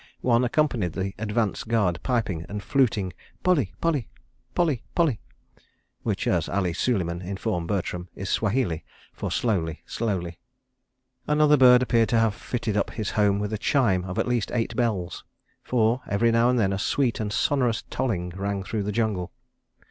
One accompanied the advance guard, piping and fluting: "Poli Poli! Poli Poli!" which, as Ali Suleiman informed Bertram, is Swahili for "Slowly! Slowly!" Another bird appeared to have fitted up his home with a chime of at least eight bells, for, every now and then, a sweet and sonorous tolling rang through the jungle.